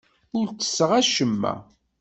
Ur ttesseɣ acemma.